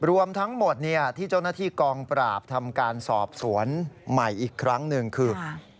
รวมทั้งหมดที่เจ้าหน้าที่กองปราบทำการสอบสวนใหม่อีกครั้งหนึ่งคือ